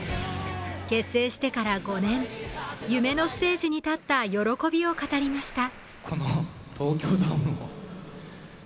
結成してから５年、夢のステージに立った喜びを語りました。